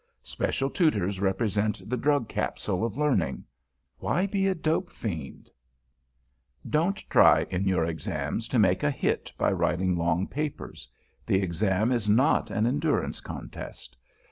Special tutors represent the drug capsule of learning. Why be a dope fiend? [Sidenote: IN THE EXAMS] Don't try in your Exams to make a hit by writing long papers. The Exam is not an endurance contest.